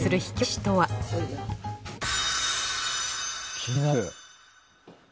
気になる。